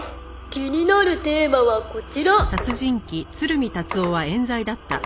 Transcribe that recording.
「気になるテーマはこちら！」